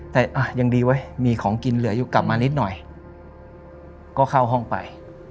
แต่ยังดีเว้ยมีของกินเหลืออยู่กลับมานิดหน่อยก็เข้าห้องไป